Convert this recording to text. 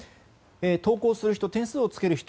投稿する人、点数をつける人